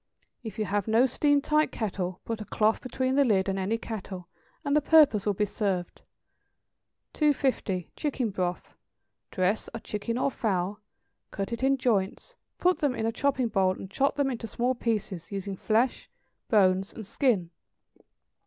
If you have no steam tight kettle, put a cloth between the lid and any kettle, and the purpose will be served. 250. =Chicken Broth.= Dress a chicken or fowl, cut it in joints, put them in a chopping bowl, and chop them into small pieces, using flesh, bones, and skin.